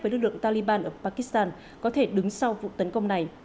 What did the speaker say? với lực lượng taliban ở pakistan có thể đứng sau vụ tấn công này